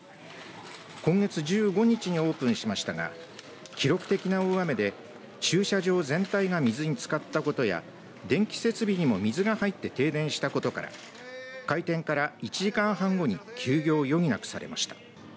今月１５日にオープンしましたが記録的な大雨で駐車場全体が水につかったことや電気設備にも水が入って停電したことから開店から１時間半後に休業を余儀なくされました。